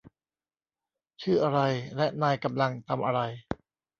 ชื่ออะไรและนายกำลังทำอะไร